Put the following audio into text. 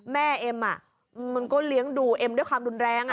เอ็มมันก็เลี้ยงดูเอ็มด้วยความรุนแรง